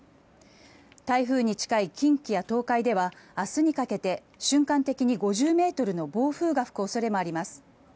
台風に近い近畿や東海では明日にかけて瞬間的に５０ｍの暴風が吹く恐れもあります。